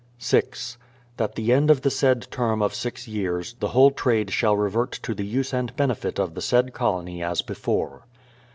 6. That the end of the said term of six years, the whole trade shall revert to the use and benefit of the said colony as before.